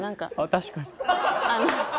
確かに。